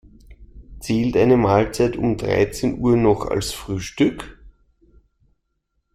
Zählt eine Mahlzeit um dreizehn Uhr noch als Frühstück?